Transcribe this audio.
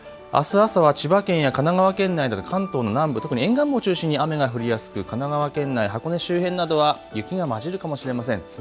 あす朝は千葉県や神奈川県内など関東の南部特に沿岸部を中心に雨が降りやすく神奈川県の箱根周辺などは雪が交じるかもしれません。